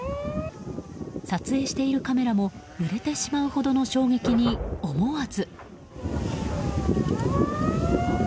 撮影しているカメラも揺れてしまうほどの衝撃に思わず。